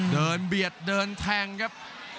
เบียดเดินแทงครับ